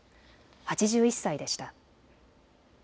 ８１歳でした。